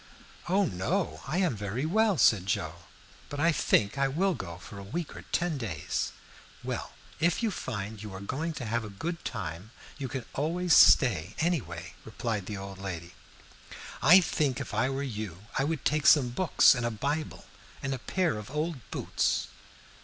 "Oh no, I am very well," said Joe; "but I think I will go for a week or ten days." "Well, if you find you are going to have a good time, you can always stay, any way," replied the old lady. "I think if I were you I would take some books and a Bible and a pair of old boots."